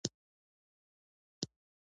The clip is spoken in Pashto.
دا رسټورانټ په یوه کوچني بازار کې و.